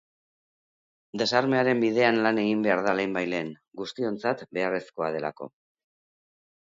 Desarmearen bidean lan egin behar da lehenbailehen, guztiontzat beharrezkoa delako.